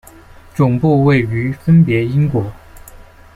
总部位于分别英国。